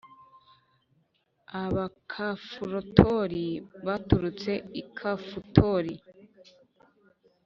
Abakafutori baturutse i Kafutori